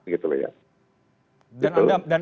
gitu loh ya